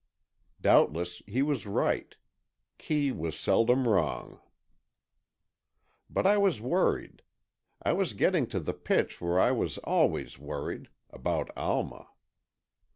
Doubtless he was right. Kee was seldom wrong. But I was worried. I was getting to the pitch where I was always worried—about Alma.